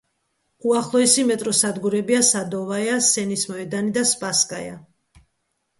უახლოესი მეტროსადგურებია „სადოვაია“, „სენის მეოდანი“ და „სპასკაია“.